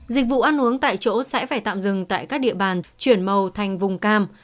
dịch vụ ăn uống tại chỗ sẽ phải tạm dừng tại các địa bàn chuyển màu thành vùng cam